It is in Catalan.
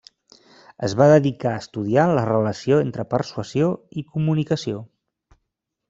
Es va dedicar a estudiar la relació entre persuasió i comunicació.